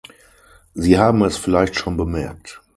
Sie haben es vielleicht schon bemerkt.